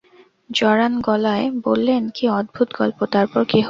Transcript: জড়ান গলায় বললেন, কী অদ্ভুত গল্প তারপর কী হল?